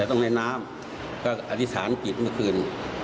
อย่าต้องไหล้น้ำก็แหล่งอธิษฐานหัวขึ้น